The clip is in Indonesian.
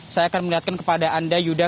saya akan melihatkan kepada anda yuda